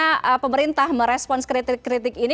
bagaimana pemerintah merespons kritik kritik ini